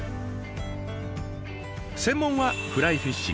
専門はフライフィッシング。